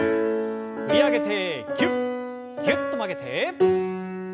振り上げてぎゅっぎゅっと曲げて。